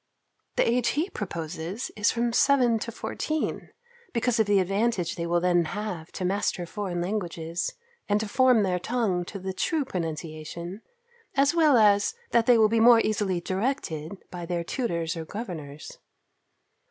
The age he proposes is from seven to fourteen, because of the advantage they will then have to master foreign languages, and to form their tongue to the true pronunciation; as well as that they will be more easily directed by their tutors or governors.